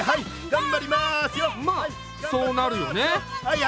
まそうなるよね。